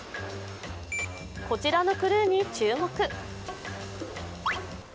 こちらのクルーに注目。